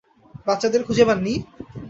বাচ্চাদের খুঁজে পাননি?